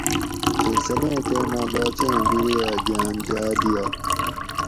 فیصلیں ٹیمہ باچیں بِریہ گھاۤن جاۤ دیائے